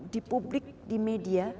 di publik di media